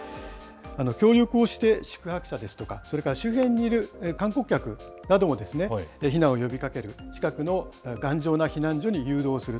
協力をして宿泊者ですとか、それから周辺にいる観光客なども避難を呼びかける、近くの頑丈な避難所に誘導する。